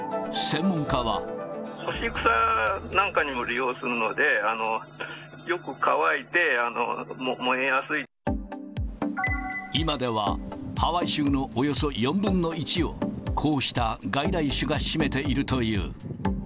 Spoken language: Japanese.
干し草なんかにも利用するので、今では、ハワイ州のおよそ４分の１を、こうした外来種が占めているという。